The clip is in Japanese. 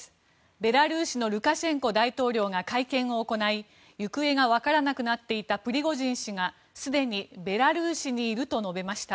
ベラルーシのルカシェンコ大統領が会見を行い行方が分からなくなっていたプリゴジン氏がすでにベラルーシにいると述べました。